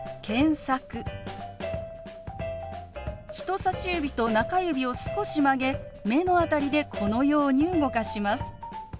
人さし指と中指を少し曲げ目の辺りでこのように動かします。